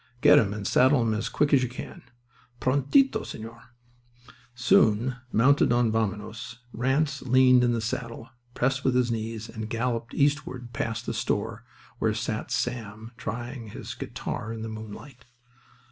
"Get him and saddle him as quick as you can." "Prontito, señor." Soon, mounted on Vaminos, Ranse leaned in the saddle, pressed with his knees, and galloped eastward past the store, where sat Sam trying his guitar in the moonlight.